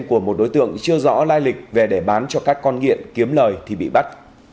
của một đối tượng chưa rõ lai lịch về để bán cho các con nghiện kiếm lời thì bị bắt